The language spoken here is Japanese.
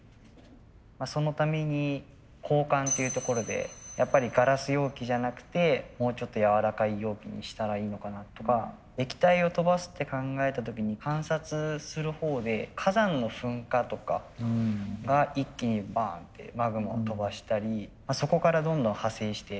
そのために交換っていうところでやっぱりガラス容器じゃなくてもうちょっとやわらかい容器にしたらいいのかなとか液体を飛ばすって考えた時に観察するほうで火山の噴火とかが一気にバーンってマグマを飛ばしたりそこからどんどん派生して。